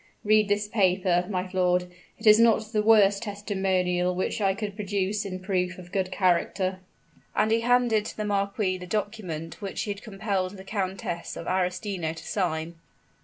Read this paper, my lord; it is not the worst testimonial which I could produce in proof of good character." And he handed to the marquis the document which he had compelled the Countess of Arestino to sign.